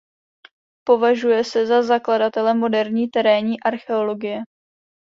Považuje se za zakladatele moderní terénní archeologie.